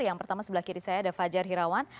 yang pertama sebelah kiri saya ada fajar hirawan